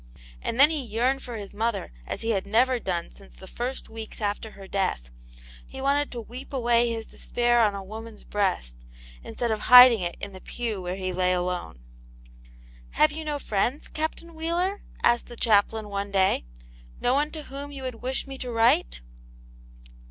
And then he yearned for his mother as he had never done since the first weeks after her death ; he wanted to weep away his despair on a woman's breast, instead of hiding it in the pew where he lay alone. *' Have you no friends. Captain Wheeler ?" asked the chaplain, one day ;" no one to whom you would wish me to write